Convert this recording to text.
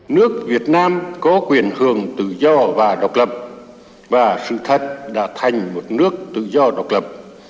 nước việt nam có quyền hưởng tự do và độc lập và sự thật đã thành một nước tự do độc lập